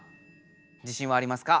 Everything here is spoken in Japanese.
自信はありますか？